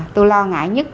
tôi lo ngại nhất